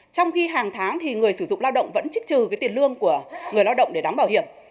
trong khi hàng tháng thì người sử dụng lao động vẫn trích trừ cái tiền lương của người lao động để đóng bảo hiểm